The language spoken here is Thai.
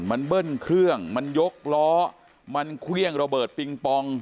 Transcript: มันเบิ้ลเครื่องมันยกล้อมันเครื่องระเบิดปิงปอง